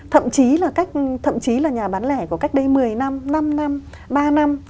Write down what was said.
thậm chí là nhà bán lẻ của cách đây một mươi năm năm năm ba năm